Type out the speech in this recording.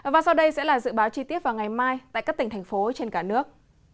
và sau đây sẽ là dự báo chi tiết vào ngày mai tại các tỉnh thành phố trên cả nước